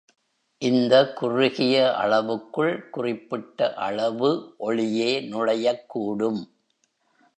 இந்த குறுகிய அளவுக்குள் குறிப்பிட்ட அளவு ஒளியே நுழையக் கூடும்.